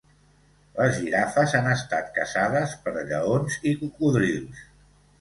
Les girafes han estat caçades per lleons i cocodrils.